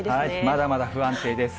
まだまだ不安定です。